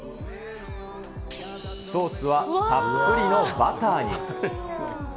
ソースはたっぷりのバターに。